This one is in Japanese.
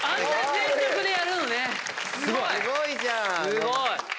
すごい！